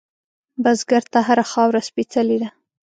بزګر ته هره خاوره سپېڅلې ده